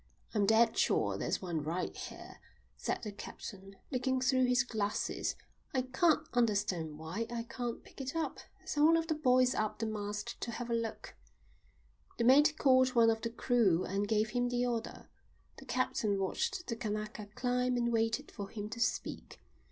"I'm dead sure there's one right here," said the captain, looking through his glasses. "I can't understand why I can't pick it up. Send one of the boys up the mast to have a look." The mate called one of the crew and gave him the order. The captain watched the Kanaka climb and waited for him to speak.